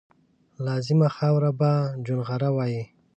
لازما خاوره به چونغره وایي